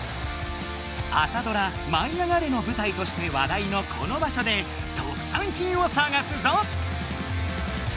朝ドラ「舞いあがれ！」の舞台として話題のこの場所で特産品をさがすぞ！